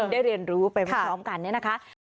ได้เรียนรู้ไปพร้อมกันเนี่ยนะคะ